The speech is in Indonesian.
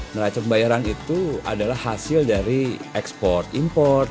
neraca pembayaran itu adalah hasil dari ekspor import